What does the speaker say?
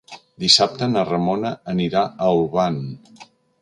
Dissabte na Ramona anirà a Olvan.